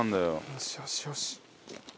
よしよしよし。